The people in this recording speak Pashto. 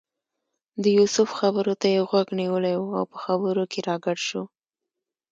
د یوسف خبرو ته یې غوږ نیولی و او په خبرو کې راګډ شو.